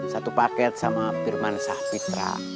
satu paket sama firman sahpitra